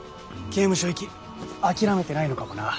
刑務所行き諦めてないのかもな。